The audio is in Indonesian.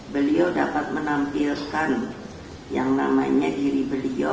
beliau dapat menampilkan yang namanya diri beliau